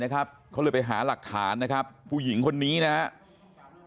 เขาเลยไปหาหลักฐานนะครับผู้หญิงคนนี้นะครับ